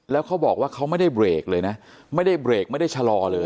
แล้วเขาบอกว่าเขาไม่ได้เบรกเลยนะไม่ได้เบรกไม่ได้ชะลอเลย